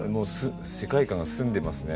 世界観が澄んでますね